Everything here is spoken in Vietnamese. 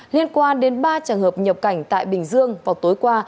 liên quan đến ba trường hợp nhập cảnh tại bình dương vào tối qua